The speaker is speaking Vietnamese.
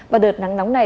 và đợt nắng nóng này